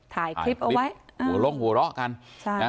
ถ่ายคลิปเอาไว้หัวล้องหัวเราะกัน